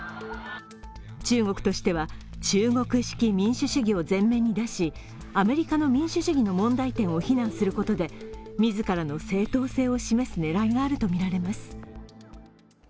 中国としては、中国式民主主義を前面に出しアメリカの民主主義の問題点を非難することで、自らの正当性を示す狙いがあるとみられます。